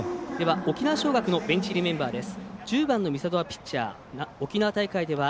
沖縄尚学のベンチ入りメンバーです。